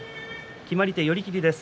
決まり手、寄り切りです。